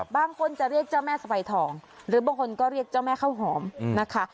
บางคนจะเรียกเจ้าแม่สะใบทองหรือบางคนก็เรียกเจ้าแม่ข้าวหอมนะคะ